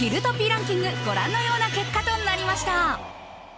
ランキングご覧のような結果となりました。